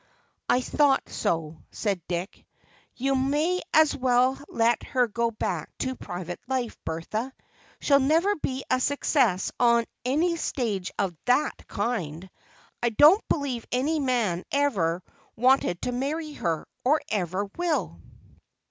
"I thought so," said Dick. "You may as well let her go back to private life, Bertha; she'll never be a success on any stage of that kind. I don't believe any man ever wanted to marry her, or ever will."